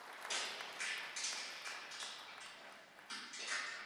V této oblasti máme zkušenosti.